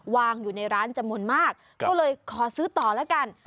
วางอยู่ในร้านจำนวนมากก็เลยขอซื้อต่อแล้วกัน